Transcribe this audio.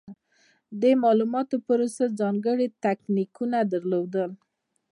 د مالوماتو پروسس ځانګړې تکتیکونه درلودل.